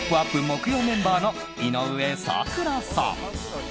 木曜メンバーの井上咲楽さん。